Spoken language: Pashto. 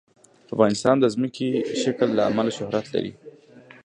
افغانستان د ځمکنی شکل له امله شهرت لري.